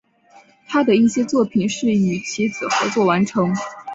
他的一些作品是与其子合作完成。